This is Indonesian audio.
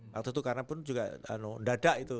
waktu itu karena pun juga dada itu